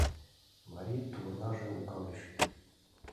Марий тувырнаже укалеш.